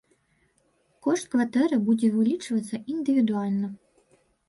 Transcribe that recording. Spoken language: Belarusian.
Кошт кватэры будзе вылічвацца індывідуальна.